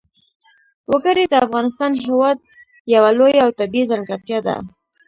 وګړي د افغانستان هېواد یوه لویه او طبیعي ځانګړتیا ده.